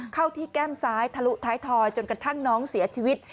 เข้าที่แก้มซ้ายทะลุท้ายทอยจนกระทั่งน้องเสียชีวิต